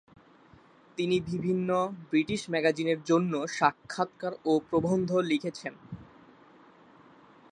তিনি বিভিন্ন ব্রিটিশ ম্যাগাজিনের জন্য সাক্ষাৎকার ও প্রবন্ধ লিখেছেন।